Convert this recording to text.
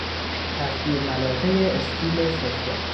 کفگیر ملاقه استیل سفره